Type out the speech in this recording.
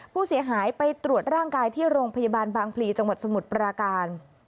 ผู้เสียหายไปตรวจร่างกายที่โรงพยาบาลบางพลีจังหวัดสมุทรปราการ